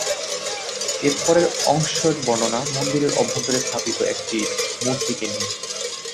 এর পরের অংশের বর্ণনা মন্দিরের অভ্যন্তরে স্থাপিত একটি মূর্তিকে নিয়ে।